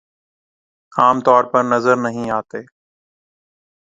عام طور پر نظر نہیں آتے